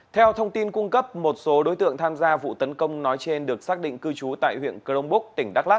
theo thông tin cung cấp một số đối tượng tham gia vụ tấn công nói trên được xác định cư trú tại huyện crong búc tỉnh đắk lắc